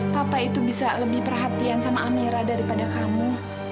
papa itu bisa lebih perhatian sama amera daripada kamu